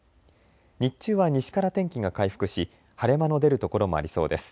日中は西から天気が回復し晴れ間の出る所もありそうです。